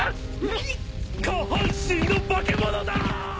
下半身の化け物だ！